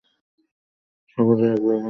সাগরে এর ব্যবহার নিষিদ্ধ ছিল।